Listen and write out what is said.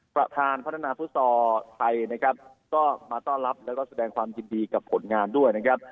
ประธานพัฒนาฟุตซอลไทยนะครับก็มาต้อนรับแล้วก็แสดงความยินดีกับผลงานด้วยนะครับ